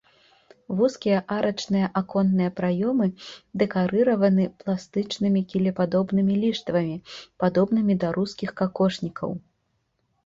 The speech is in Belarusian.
Вузкія арачныя аконныя праёмы дэкарыраваны пластычнымі кілепадобнымі ліштвамі, падобнымі да рускіх какошнікаў.